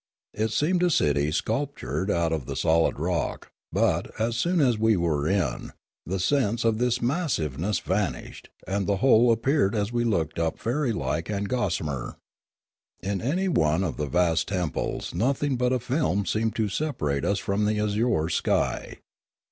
It seemed a city sculptured out of the solid rock; but, as soon as we were in, the sense of this massiveness vanished and the whole appeared as we looked up fairy like and gossa mer. In any one of the vast temples nothing but a film seemed to separate us from the azure sky.